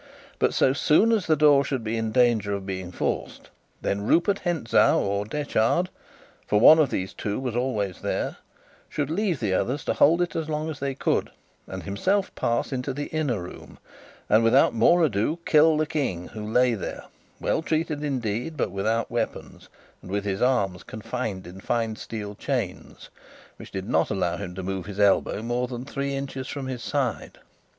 But, so soon as the door should be in danger of being forced, then Rupert Hentzau or Detchard (for one of these two was always there) should leave the others to hold it as long as they could, and himself pass into the inner room, and, without more ado, kill the King who lay there, well treated indeed, but without weapons, and with his arms confined in fine steel chains, which did not allow him to move his elbow more than three inches from his side.